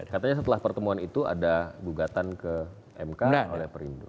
katanya setelah pertemuan itu ada gugatan ke mk oleh perindo